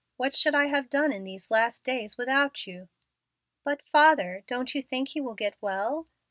What should I have done in these last days without you?" "But, father, don't you think he will get well?"